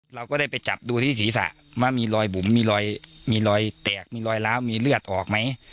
เราก็ได้ไปจับดูที่ศีรษะว่ามีรอยบุ๋มมีรอยมีรอยแตกมีรอยล้าวมีเลือดออกไหม